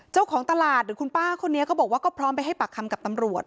เจ้าของตลาดหรือคุณป้าคนนี้ก็บอกว่าก็พร้อมไปให้ปากคำกับตำรวจ